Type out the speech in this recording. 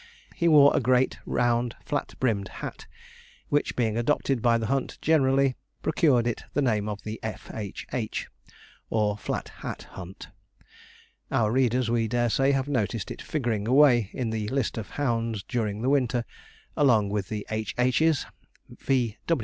He wore a great round flat brimmed hat, which being adopted by the hunt generally, procured it the name of the 'F.H.H.,' or 'Flat Hat Hunt.' Our readers, we dare say, have noticed it figuring away, in the list of hounds during the winter, along with the 'H.H.s,' 'V.